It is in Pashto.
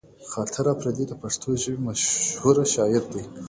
خاطر اپريدی د پښتو ژبې مشهوره شاعر دی